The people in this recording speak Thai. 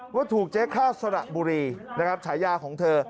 ว่าถูกเจ๊ข้าวสระบุรีนะครับฉายาของเธอ